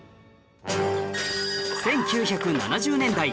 １９７０年代